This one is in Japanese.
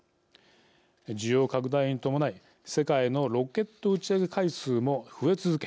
需要拡大に伴い世界のロケット打ち上げ回数も増え続け